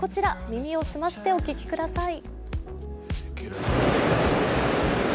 耳を澄ませてお聞きください。